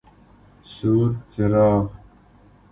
سور څراغ: